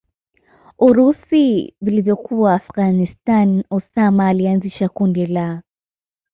urusi vilivyokuwa Afghanstani Osama alianzisha kundi la